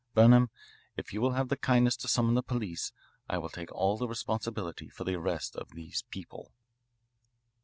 Burnham, if you will have the kindness to summon the police, I will take all the responsibility for the arrest of these people."